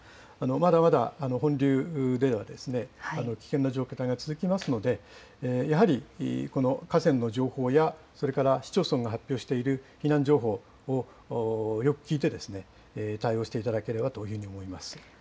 まだまだ本流では危険な状態が続きますので、やはりこの河川の情報やそれから市町村が発表している避難情報をよく聞いて、対応していただければというふうに思います。